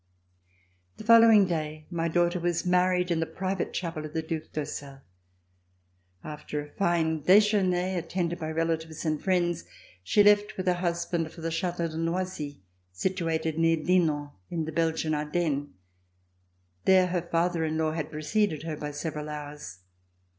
The following day my daughter was married in the private chapel of the Due d'Ursel. After a fine dejeuner attended by relatives and friends, she left with her husband for the Chateau de Noisy, situated near Dinant in the Belgian Ardennes. There her father in law had preceded her by several hours.